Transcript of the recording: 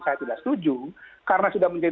saya tidak setuju karena sudah menjadi